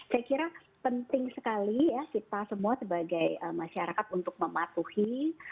saya kira penting sekali ya kita semua sebagai masyarakat untuk mematuhi